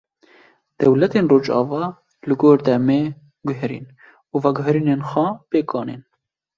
Dewletên rojava li gor demê, guherîn û veguherînên xwe pêk anîn